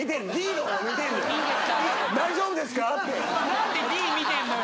何でＤ見てんのよ。